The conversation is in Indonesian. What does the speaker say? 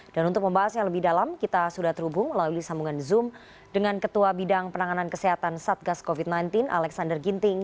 dan untuk membahas yang lebih dalam kita sudah terhubung melalui sambungan zoom dengan ketua bidang penanganan kesehatan satgas covid sembilan belas alexander ginting